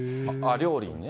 料理にね。